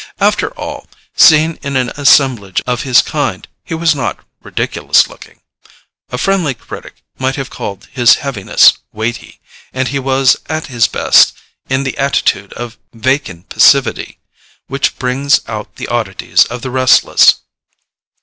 After all, seen in an assemblage of his kind he was not ridiculous looking: a friendly critic might have called his heaviness weighty, and he was at his best in the attitude of vacant passivity which brings out the oddities of the restless.